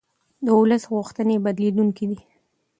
د ولس غوښتنې بدلېدونکې دي